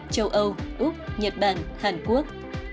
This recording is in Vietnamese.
châu âu úc nhật bản hàn quốc